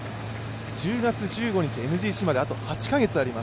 １０月１５日、ＭＧＣまであと８か月あります。